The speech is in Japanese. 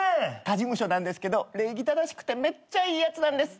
他事務所なんですけど礼儀正しくてめっちゃいいやつなんです。